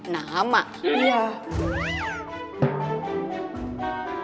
nama oma siapa